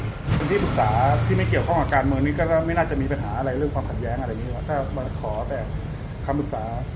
คนที่ปรึกษาที่ไม่เกี่ยวข้องกับการเมืองนี้ก็ไม่น่าจะมีปัญหาอะไรเรื่องความขัดแย้งอะไรนี้หรอกถ้ามาขอแต่คำปรึกษา